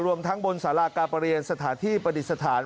รวมทั้งบนสารากาประเรียนสถานที่ประดิษฐาน